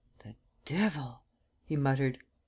"The devil!" he muttered.